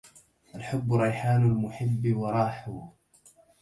الحب ريحان المحب وراحه